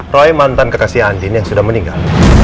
roy mantan kekasih andin yang sudah meninggal